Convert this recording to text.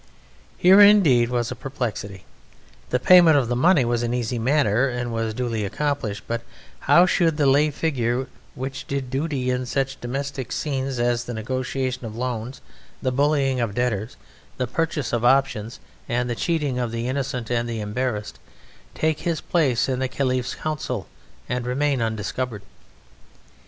Here, indeed, was a perplexity. The payment of the money was an easy matter and was duly accomplished; but how should the lay figure which did duty in such domestic scenes as the negotiation of loans, the bullying of debtors, the purchase of options, and the cheating of the innocent and the embarrassed, take his place in the Caliph's council and remain undiscovered?